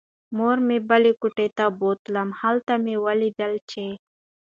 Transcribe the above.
مور مې بلې کوټې ته بوتلم. هلته مې ولیدله چې